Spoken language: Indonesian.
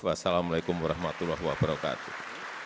wassalamu'alaikum warahmatullahi wabarakatuh